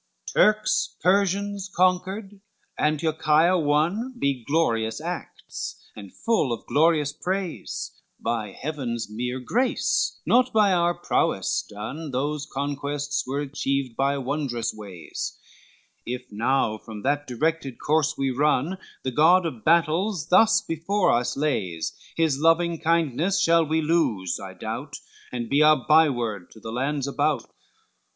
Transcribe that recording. XXVI "Turks, Persians conquered, Antiochia won, Be glorious acts, and full of glorious praise, By Heaven's mere grace, not by our prowess done: Those conquests were achieved by wondrous ways, If now from that directed course we run The God of Battles thus before us lays, His loving kindness shall we lose, I doubt, And be a byword to the lands about.